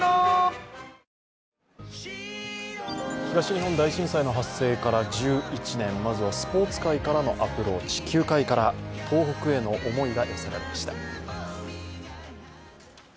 東日本大震災の発生から１１年、まずはスポーツ界からのアプローチ、球界から、東北への思いが寄せられました。